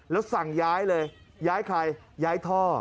แล้วสั่งย้ายเลยย้ายใครย้ายท่อ